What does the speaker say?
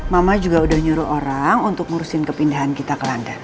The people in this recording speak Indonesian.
mama juga udah nyuruh orang untuk ngurusin kepindahan kita ke london